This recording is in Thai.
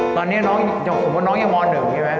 ตอนนี้น้องสมมุติน้องยังม๑ใช่ไหม